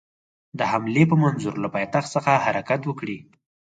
د حملې په منظور له پایتخت څخه حرکت وکړي.